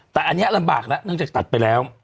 แต่อันนี้ลำบากแล้วเนื่องจากตัดไปแล้ว